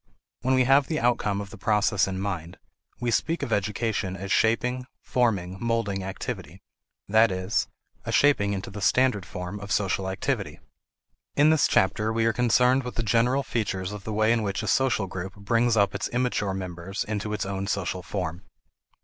When we have the outcome of the process in mind, we speak of education as shaping, forming, molding activity that is, a shaping into the standard form of social activity. In this chapter we are concerned with the general features of the way in which a social group brings up its immature members into its own social form.